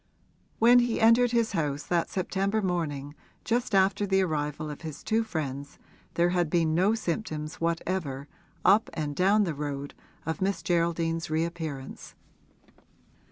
When he entered his house that September morning just after the arrival of his two friends there had been no symptoms whatever, up and down the road, of Miss Geraldine's reappearance.